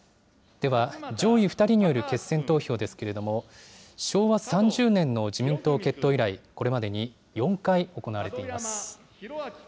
では、上位２人による決選投票ですけれども、昭和３０年の自民党結党以来、これまでに４回行われています。